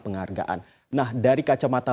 penghargaan nah dari kacamata